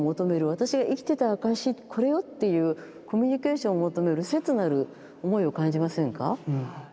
私が生きてた証しこれよっていうコミュニケーションを求める切なる思いを感じませんか？